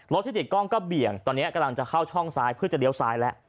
ที่ติดกล้องก็เบี่ยงตอนนี้กำลังจะเข้าช่องซ้ายเพื่อจะเลี้ยวซ้ายแล้ว